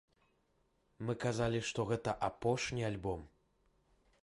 Мы казалі, што гэта апошні альбом!